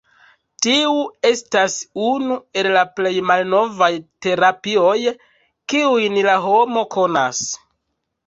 Tiu estas unu el la plej malnovaj terapioj, kiujn la homo konas.